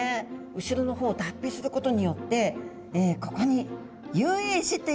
後ろの方を脱皮することによってここに遊泳肢っていう脚がありましたよね。